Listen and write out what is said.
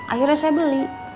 akhirnya saya beli